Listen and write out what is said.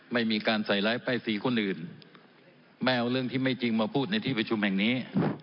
ไม่มีการใส่ร้ายป้ายสีคนอื่นไม่เอาเรื่องที่ไม่จริงมาพูดในที่ประชุมแห่งนี้